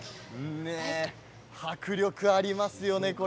迫力がありますよね。